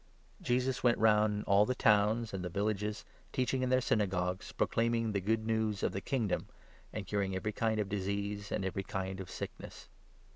The Need Jesus went round all the towns and the vil 35 for lages, teaching in their Synagogues, proclaiming worker*. the Good News of the Kingdom, and curing every kind of disease and every kind of sickness.